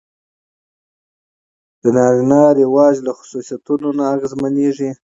د نارينه کلچر له خصوصيتونو نه اغېزمنېږي.